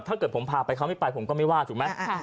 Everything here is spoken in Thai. ถ้าเกิดผมพาไปเขาไม่ไปผมก็ไม่ว่าถูกไหม